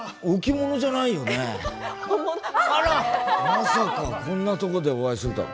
まさかこんなとこでお会いするとは。